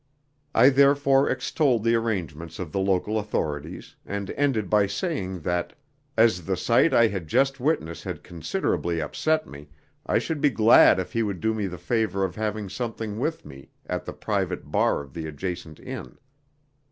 I therefore extolled the arrangements of the local authorities, and ended by saying that, as the sight I had just witnessed had considerably upset me, I should be glad if he would do me the favour of having something with me at the private bar of the adjacent inn.